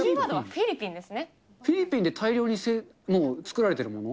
フィリピンで大量に作られてるもの？